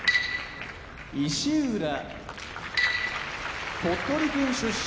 石浦鳥取県出身